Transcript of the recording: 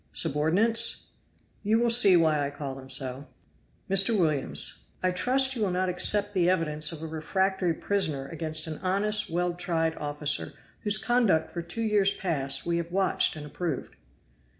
"Subordinates?" "You will see why I call them so." Mr. Williams. "I trust you will not accept the evidence of a refractory prisoner against an honest, well tried officer, whose conduct for two years past we have watched and approved."